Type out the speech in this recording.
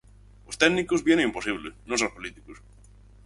Os técnicos víano imposible, non só os políticos.